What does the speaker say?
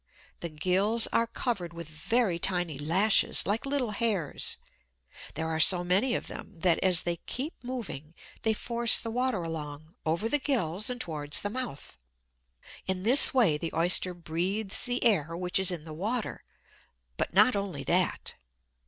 The gills are covered with very tiny lashes, like little hairs. There are so many of them that, as they keep moving, they force the water along, over the gills and towards the mouth. In this way the Oyster breathes the air which is in the water; but not only that.